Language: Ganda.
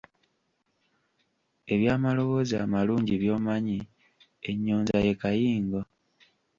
Eby'amaloboozi amalungi by'omanyi, ennyonza ye kayingo.